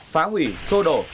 phá hủy xô đổ